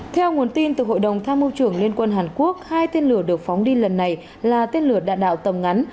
theo nguồn tin từ hội đồng tham mưu trưởng liên quân hàn quốc hai tên lửa được phóng đi lần này là tên lửa đạn đạo tầm ngắn